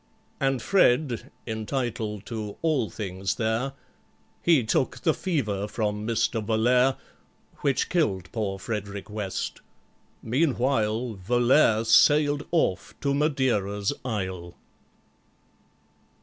And FRED (entitled to all things there) He took the fever from MR. VOLLAIRE, Which killed poor FREDERICK WEST. Meanwhile VOLLAIRE sailed off to Madeira's isle.